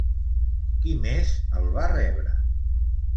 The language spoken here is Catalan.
Qui més el va rebre?